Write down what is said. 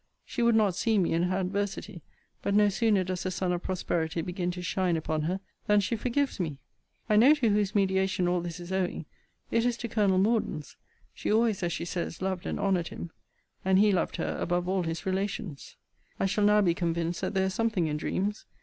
She would not see me in her adversity; but no sooner does the sun of prosperity begin to shine upon her than she forgives me. I know to whose mediation all this is owing. It is to Colonel Morden's. She always, as she says, loved and honoured him! And he loved her above all his relations. I shall now be convinced that there is something in dreams.